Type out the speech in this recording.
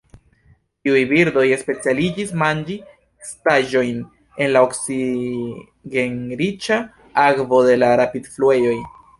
Tiuj birdoj specialiĝis manĝi estaĵojn en la oksigenriĉa akvo de la rapidfluejoj.